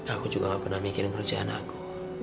aku juga nggak pernah mikirin kerjaan aku